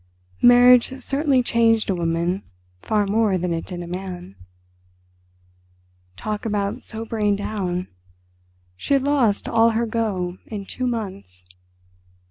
Marriage certainly changed a woman far more than it did a man. Talk about sobering down. She had lost all her go in two months!